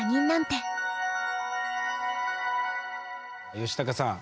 ヨシタカさん